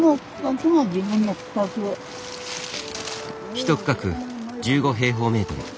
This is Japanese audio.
１区画１５平方メートル。